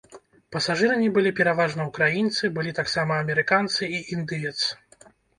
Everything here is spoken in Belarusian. Пасажырамі былі пераважна ўкраінцы, былі таксама амерыканцы і індыец.